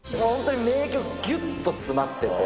本当に名曲ぎゅっと詰まってて。